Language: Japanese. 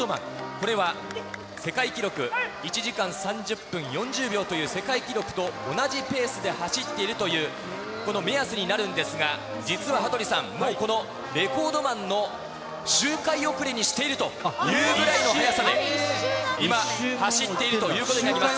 これは世界記録１時間３０分４０秒という世界記録と同じペースで走ってという、この目安になるんですが、実は羽鳥さん、もうこのレコードマンの周回遅れにしているというぐらいの速さで今、走っているということになります。